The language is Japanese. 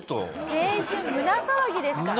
「青春」「胸さわぎ」ですから。